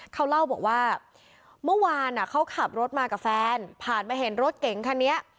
เขาเล่าบอกว่าเมื่อวานเขาขับรถมากับแฟนผ่านมาเห็นรถเก๋งคันนี้